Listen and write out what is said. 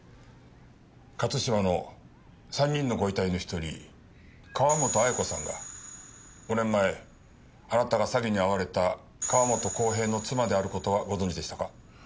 勝島の３人のご遺体の１人川本綾子さんが５年前あなたが詐欺に遭われた川本浩平の妻である事はご存じでしたか？